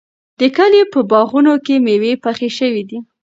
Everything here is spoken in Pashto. د کلي په باغونو کې مېوې پخې شوې دي.